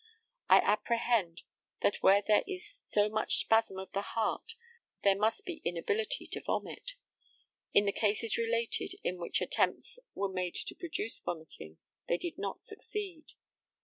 I apprehend that where there is so much spasm of the heart there must be inability to vomit. In the cases related in which attempts were made to produce vomiting they did not succeed.